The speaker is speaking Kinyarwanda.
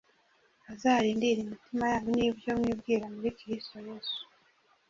azarindire imitima yanyu n’ibyo mwibwira muri Kristo Yesu.